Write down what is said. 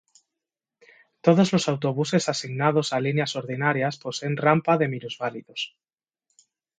Todos los autobuses asignados a líneas ordinarias poseen rampa para minusválidos.